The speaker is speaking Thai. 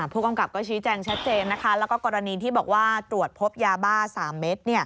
ผู้กำกับก็ชี้แจงชัดเจนนะคะแล้วก็กรณีที่บอกว่าตรวจพบยาบ้า๓เม็ด